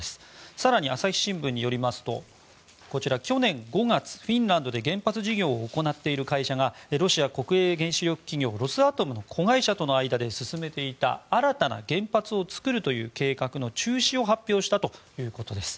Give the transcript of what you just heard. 更に、朝日新聞によりますと去年５月フィンランドで原発事業を行っている会社がロシア国営原子力企業ロスアトムの子会社との間で進めていた新たな原発を作るという計画の中止を発表したということです。